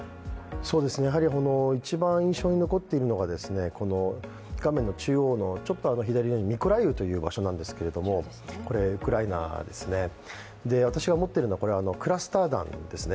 やはり一番印象に残っているのが画面の中央の、ちょっと左寄りのミコライウという場所なんですけど、ウクライナですね、私が思っているのはクラスター弾ですね。